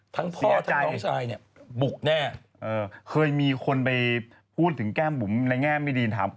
ถ้าทำให้พี่ชายพี่สาว